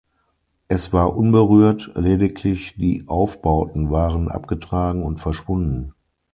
Es war unberührt, lediglich die Aufbauten waren abgetragen und verschwunden.